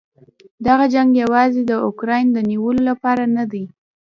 دغه جنګ یواځې د اوکراین د نیولو لپاره نه دی.